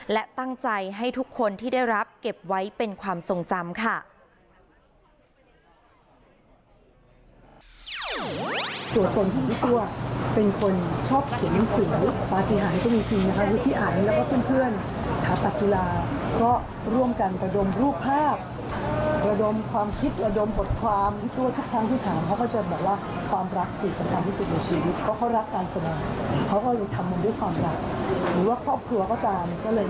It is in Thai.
และตั้งใจให้ทุกคนที่ได้รับเก็บไว้เป็นความทรงจำค่ะ